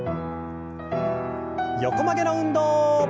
横曲げの運動。